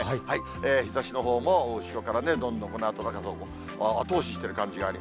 日ざしのほうも後ろからどんどんこの暖かさを後押ししているような感じです。